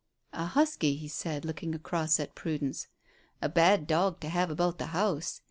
"A husky," he said, looking across at Prudence. "A bad dog to have about the house.